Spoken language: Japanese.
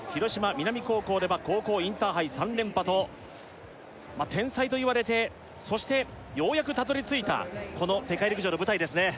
皆実高校では高校インターハイ３連覇と天才といわれてそしてようやくたどり着いたこの世界陸上の舞台ですね